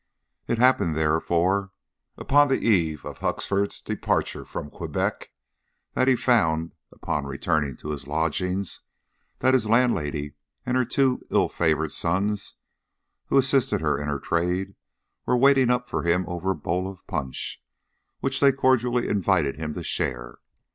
It happened, therefore, upon the eve of Huxford's departure from Quebec, that he found, upon returning to his lodgings, that his landlady and her two ill favoured sons, who assisted her in her trade, were waiting up for him over a bowl of punch, which they cordially invited him to share.